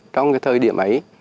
trong thời điểm ấy